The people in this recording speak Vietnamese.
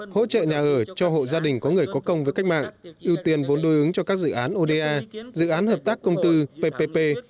hỗ trợ nhà ở cho hộ gia đình có người có công với cách mạng ưu tiên vốn đối ứng cho các dự án oda dự án hợp tác công tư ppp